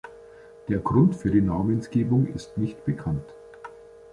Der Grund für die Namensgebung ist nicht bekannt.